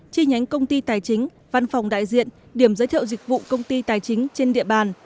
chi nhánh công ty tài chính văn phòng đại diện điểm giới thiệu dịch vụ công ty tài chính trên địa bàn